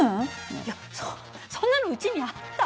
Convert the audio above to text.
いやそそんなのうちにあった？